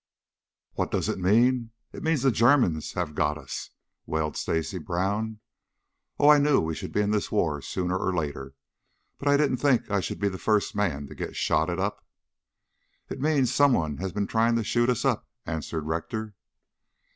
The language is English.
"What does it mean? It means that the Germans have got us," wailed Stacy Brown. "Oh, I knew we should be in this war sooner or later, but I didn't think I should be the first man to get shotted up." "It means some one has been trying to shoot us up," answered Rector.